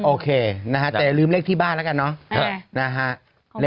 โอเคนะฮะแต่อย่าลืมเลขที่บ้านแล้วกันเนาะ